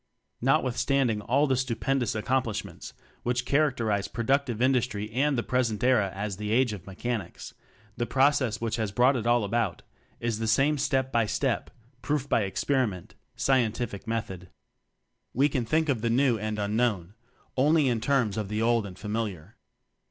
Notwithstanding all the stupend ous accomplishments which charac terize productive industry and the present era as the Age of Mechanics, the process which has brought it all about, is the same step by step TECHNOCRACY 23 proof by experiment scientific method. We can think of the new and unknown only in terms of the old and familiar.